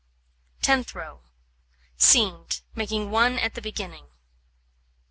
Tenth row: Seamed, making 1 at the beginning.